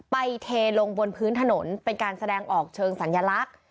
เทลงบนพื้นถนนเป็นการแสดงออกเชิงสัญลักษณ์